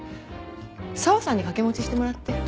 沢さんに掛け持ちしてもらって。